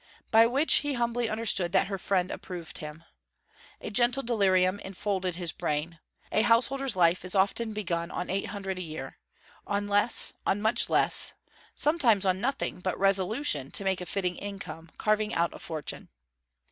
By which he humbly understood that her friend approved him. A gentle delirium enfolded his brain. A householder's life is often begun on eight hundred a year: on less: on much less: sometimes on nothing but resolution to make a fitting income, carving out a fortune.